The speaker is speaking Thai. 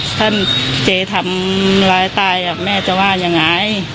เอาไว้ที่เจนี่ทำร้ายตายแม่จะว่าไง